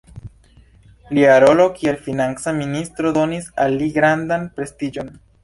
Lia rolo kiel financa ministro donis al li grandan prestiĝon.